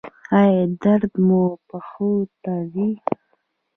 ایا درد مو پښو ته ځي؟